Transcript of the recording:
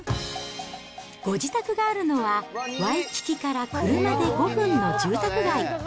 ご自宅があるのは、ワイキキから車で５分の住宅街。